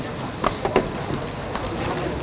ได้ปากคำในครั้งนี้เองค่ะ